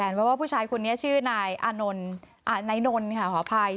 เพราะว่าผู้ชายคนนี้ชื่อนายนนท์ค่ะขออภัย